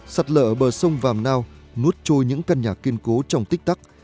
sạt lở ở bờ sông vàm nao nuốt trôi những căn nhà kiên cố trong tích tắc